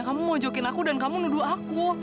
kamu mau jokin aku dan kamu nuduh aku